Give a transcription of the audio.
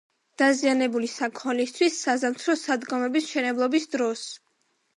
დაზიანებულია საქონლისთვის საზამთრო სადგომების მშენებლობის დროს.